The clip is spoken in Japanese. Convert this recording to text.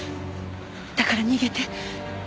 だから逃げて。